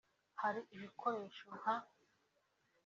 “Hari ibikoresho nka